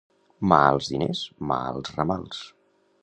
Mà als diners, mà als ramals.